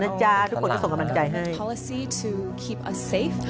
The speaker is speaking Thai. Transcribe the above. ทุกคนจะส่งกำลังใจให้